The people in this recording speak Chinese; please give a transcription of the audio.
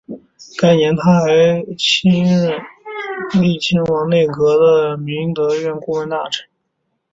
该年他还任庆亲王内阁的弼德院顾问大臣。